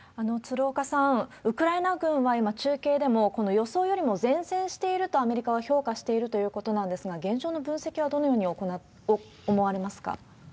鶴岡さん、ウクライナ軍は今、中継でもこの予想よりも善戦しているとアメリカは評価しているということなんですが、現状の分析はどのように思われますか？